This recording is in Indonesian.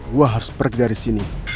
gue harus pergi dari sini